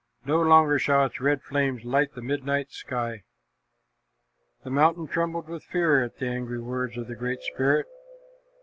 "No longer shall its red flames light the midnight sky." The mountain trembled with fear at the angry words of the Great Spirit.